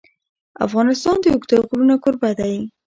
افغانستان د اوږده غرونه کوربه دی.